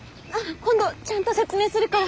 今度ちゃんと説明するから。